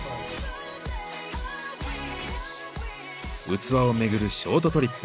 器をめぐるショートトリップ。